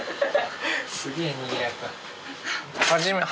すげえにぎやか。